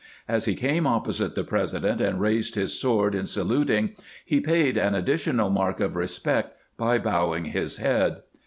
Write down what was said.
As he came opposite the Presi dent and raised his sword in saluting, he paid an addi tional mark of respect by bowing his head.